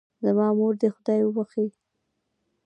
زما مور دې خدای وبښئ